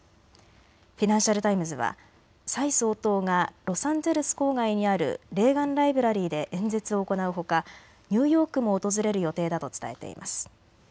フィナンシャル・タイムズは蔡総統がロサンゼルス郊外にあるレーガン・ライブラリーで演説を行うほかニューヨークも訪れる予定だと伝えています。